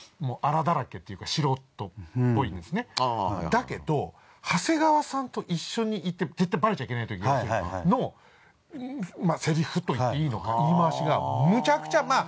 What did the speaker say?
だけど長谷川さんと一緒にいて絶対バレちゃいけないとき要するに。のセリフといっていいのか言い回しがむちゃくちゃまあ